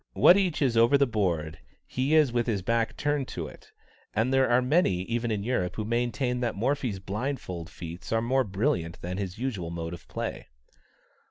What each is over the board, he is with his back turned to it, and there are many even in Europe who maintain that Morphy's blindfold feats are more brilliant than his usual mode of play.